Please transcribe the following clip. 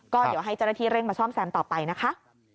ก็เดี๋ยวให้เจ้าหน้าที่เร่งมาซ่อมแซมต่อไปนะคะ